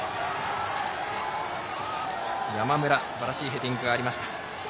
山村、すばらしいヘディングがありました。